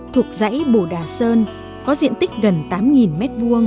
thuộc dãy bồ đà sơn có diện tích gần tám m hai